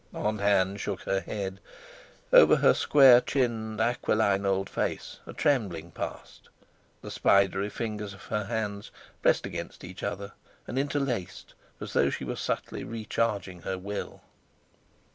Aunt Ann shook her head. Over her square chinned, aquiline old face a trembling passed; the spidery fingers of her hands pressed against each other and interlaced, as though she were subtly recharging her will.